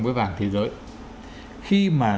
với vàng thế giới khi mà